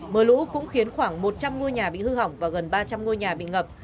mưa lũ cũng khiến khoảng một trăm linh ngôi nhà bị hư hỏng và gần ba trăm linh ngôi nhà bị ngập